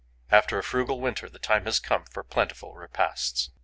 After a frugal winter, the time has come for plentiful repasts.